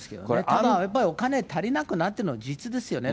ただ、やっぱりお金が足りなくなっているのは事実ですよね。